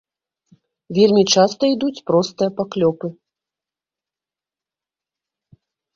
Вельмі часта ідуць простыя паклёпы.